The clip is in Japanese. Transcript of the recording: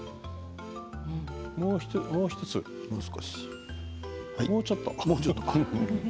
もうひとつかな、もう少しもうちょっと。